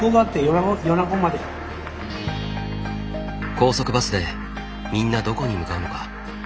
高速バスでみんなどこに向かうのか。